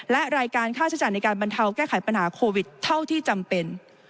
และรายการค่าใช้จ่ายในการบรรเทาแก้ไขปัญหาโควิดเท่าที่จำเป็น